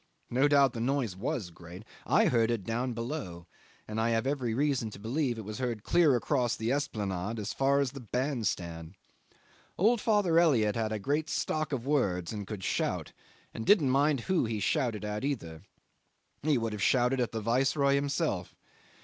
No doubt the noise was great. I heard it down below, and I have every reason to believe it was heard clear across the Esplanade as far as the band stand. Old father Elliot had a great stock of words and could shout and didn't mind who he shouted at either. He would have shouted at the Viceroy himself.